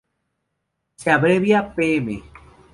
Se abrevia pm.